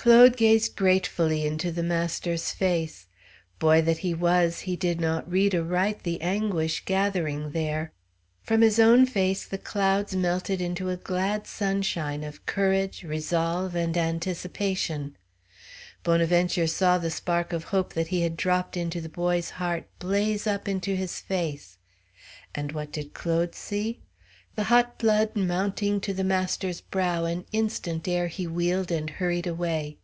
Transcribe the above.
Claude gazed gratefully into the master's face. Boy that he was, he did not read aright the anguish gathering there. From his own face the clouds melted into a glad sunshine of courage, resolve, and anticipation. Bonaventure saw the spark of hope that he had dropped into the boy's heart blaze up into his face. And what did Claude see? The hot blood mounting to the master's brow an instant ere he wheeled and hurried away.